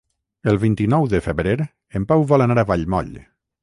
El vint-i-nou de febrer en Pau vol anar a Vallmoll.